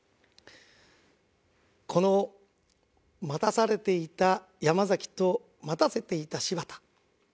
この待たされていた山崎と待たせていた柴田。